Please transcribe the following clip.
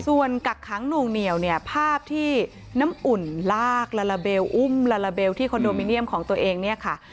ส่วนกักขังหน่วงเหนียวเนี่ยภาพที่น้ำอุ่นลากลาลาเบลอุ้มลาลาเบลที่คอนโดมิเนียมของตัวเองเนี่ยค่ะ